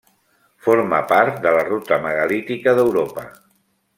Forma part de la ruta megalítica d'Europa.